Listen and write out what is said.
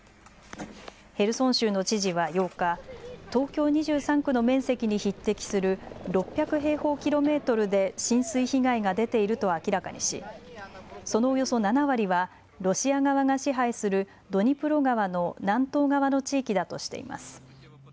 ヘルソン州の知事は８日東京２３区の面積に匹敵する６００平方キロメートルで浸水被害が出ていると明らかにしそのおよそ７割はロシア側が支配するドニプロ川の南東側の地域だとしています。